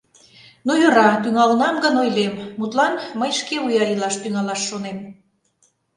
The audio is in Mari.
Ну, йӧра, тӱҥалынам гын, ойлем: мутлан, мый шкевуя илаш тӱҥалаш шонем.